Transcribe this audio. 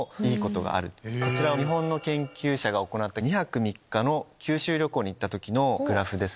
日本の研究者が行った２泊３日の九州旅行に行った時のグラフです。